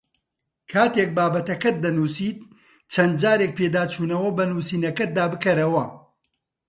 کاتێک بابەتەکەت دەنووسیت چەند جارێک پێداچوونەوە بە نووسینەکەتدا بکەرەوە